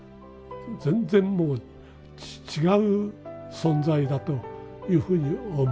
全然もう違う存在だというふうに思います。